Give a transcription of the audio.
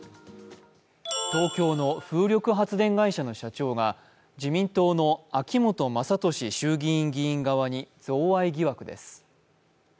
東京の風力発電会社の社長が、自民党の秋本真利衆議院議員側に贈賄疑惑です。